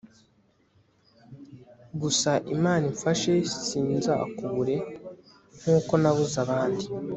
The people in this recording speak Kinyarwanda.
gusa imana imfashe sinzakubure nkuko nabuze abandi